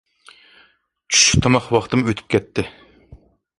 چۈشلۈك تاماق ۋاقتىمۇ ئۆتۈپ كەتتى.